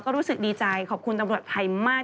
ก็รู้สึกดีใจขอบคุณตำรวจไทยมาก